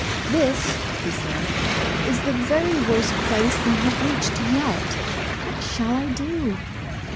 "This," he said, "is the ver} worst place I have reached yet. What shall I do?"